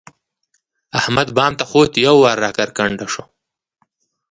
احمد بام ته خوت؛ یو وار را کرکنډه شو.